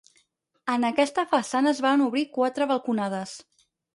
En aquesta façana es varen obrir quatre balconades.